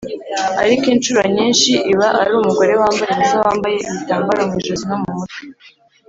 ariko incuro nyinshi iba ari umugore wambaye ubusa wambaye ibitambaro mu ijosi no mu mutwe.